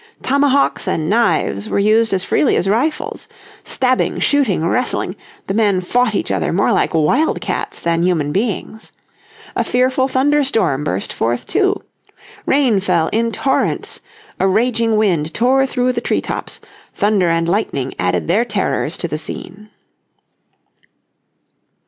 Tomahawks and knives were used as freely as rifles. Stabbing, shooting, wrestling, the men fought each other more like wildcats than human beings. A fearful thunderstorm burst forth, too. Rain fell in torrents, a raging wind tore through the tree tops, thunder and lightning added their terrors to the scene.